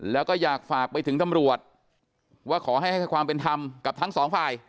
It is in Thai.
แล้วก็อยากฝากไปถึงตำรวจว่าขอให้ให้ความเป็นธรรมกับทั้งสองฝ่าย